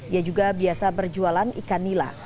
ia juga biasa berjualan ikan nila